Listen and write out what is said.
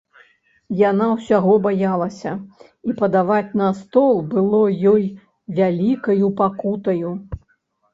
Яна ўсяго баялася, і падаваць на стол было ёй вялікаю пакутаю.